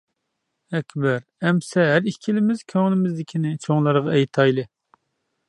ئەكبەر : ئەمىسە ھەر ئىككىلىمىز كۆڭلىمىزدىكىنى چوڭلارغا ئېيتايلى.